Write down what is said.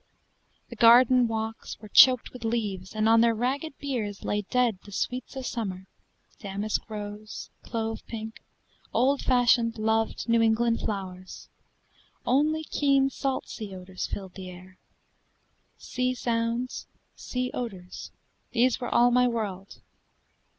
The garden walks Were choked with leaves, and on their ragged biers Lay dead the sweets of summer damask rose, Clove pink, old fashioned, loved New England flowers Only keen salt sea odors filled the air. Sea sounds, sea odors these were all my world.